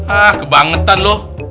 ah kebangetan loh